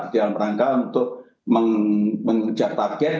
dalam rangka untuk mengejar target